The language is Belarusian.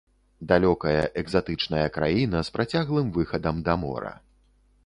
Далёкая, экзатычная краіна, з працяглым выхадам да мора.